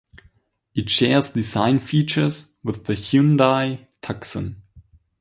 It shares design features with the Hyundai Tucson.